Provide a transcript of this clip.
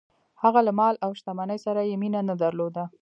هغه له مال او شتمنۍ سره یې مینه نه درلوده.